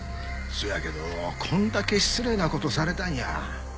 そやけどこんだけ失礼な事されたんや。